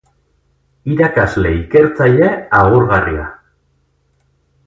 Irakasle-Ikertzaile agurgarria.